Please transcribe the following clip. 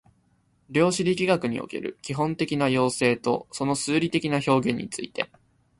量子力学における基本的な要請とその数理的な表現について